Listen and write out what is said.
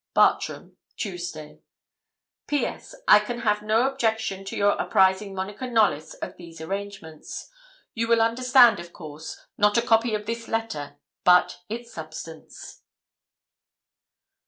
'Bartram, Tuesday. 'P.S. I can have no objection to your apprising Monica Knollys of these arrangements. You will understand, of course, not a copy of this letter, but its substance.'